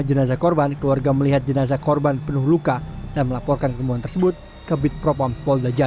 jangan lupa like share dan subscribe ya